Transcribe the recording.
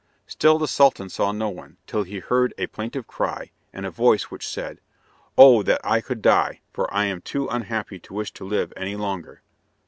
Still the Sultan saw no one, till he heard a plaintive cry, and a voice which said, "Oh that I could die, for I am too unhappy to wish to live any longer!"